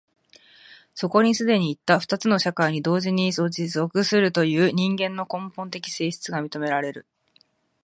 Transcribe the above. そこに既にいった二つの社会に同時に属するという人間の根本的性質が認められる。